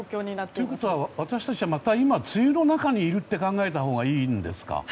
ということは、私たちはまた梅雨の中にいると考えたほうがいいんでしょうか。